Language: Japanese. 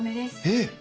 えっ！